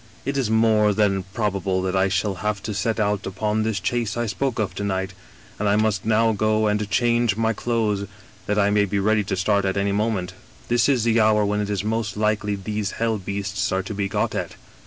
* It is more than probable that I shall have to set out upon this chase I spoke of to night, and I must now go and change my clothes, that I may be ready to start at any moment. This is the hour when it is most likely these hell beasts are to be got at.